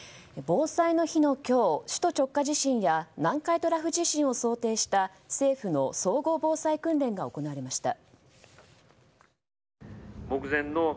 防災の日の今日、首都直下地震や南海トラフ地震を想定した政府の総合防災訓練が行われました。